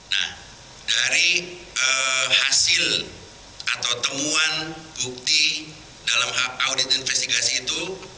nah dari hasil atau temuan bukti dalam audit investigasi itu